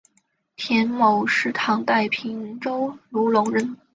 田牟是唐代平州卢龙人。